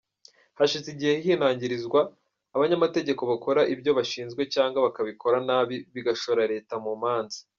Hashize igihe hihanangirizwa abanyamategeko badakora ibyo bashinzwe cyangwa bakabikora nabi bigashora leta mu manza.